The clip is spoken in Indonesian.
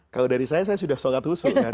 kalau dari saya saya sudah sholat husu